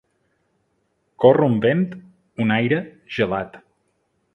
Córrer un vent, un aire, gelat.